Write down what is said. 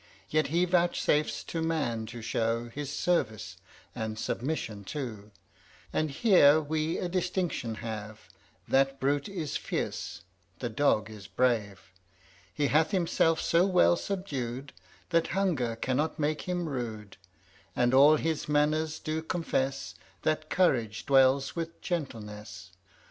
Yet he vouchsafes to man to show His service, and submission too And here we a distinction have; That brute is fierce the dog is brave. He hath himself so well subdued, That hunger cannot make him rude; And all his manners do confess That courage dwells with gentleness.